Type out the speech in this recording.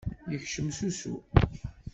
Yekcem s usu.